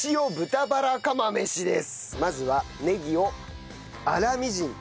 まずはネギを粗みじん。